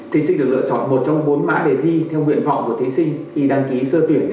thí sinh được lựa chọn một trong bốn mã đề thi theo nguyện vọng của thí sinh khi đăng ký sơ tuyển